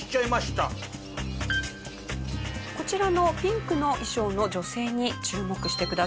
こちらのピンクの衣装の女性に注目してください。